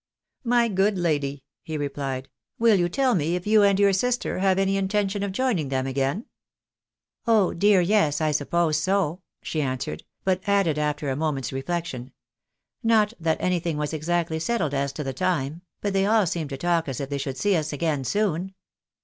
" My good lady," he replied, " will you tell me if you and your sister have any intention of joining them again ?"" Oh dear, yes, I suppose so," she answered ; but added, after a moment's reflection, " not that anything was exactly settled as to the time ; but they all seemed to talk as if they should see ns again soon."